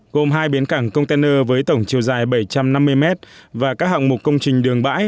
gồm hai bến cảng container với tổng chiều dài bảy trăm năm mươi m và các hạng mục công trình đường bãi